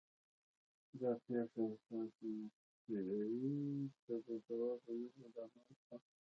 دا پېښه حساسې مقطعې ته د ځواب ویلو لامل شوه.